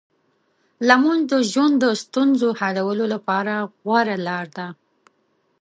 لمونځ د ژوند د ستونزو حلولو لپاره غوره لار ده.